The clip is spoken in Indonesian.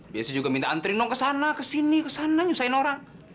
biasa juga minta antri nom ke sana kesini kesana nyusahin orang